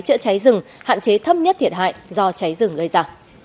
chữa cháy rừng hạn chế thấp nhất thiệt hại do cháy rừng gây ra